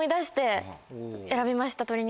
選びました鶏肉。